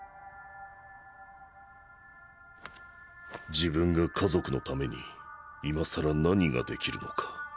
自分が家族の為に今更何ができるのか。